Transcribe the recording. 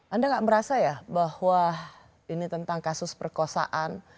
anda gak merasa ya bahwa ini tentang kasus perkosaan